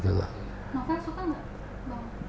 novel saya nggak begitu suka ya